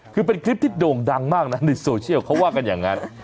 คือเป็นคลิปที่โด่งดังมากนะในโซเชียลเขาว่ากันอย่างนั้น